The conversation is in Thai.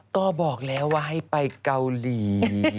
ก็บอกแล้วว่าให้ไปเกาหลี